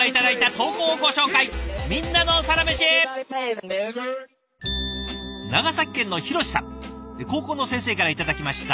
高校の先生から頂きました。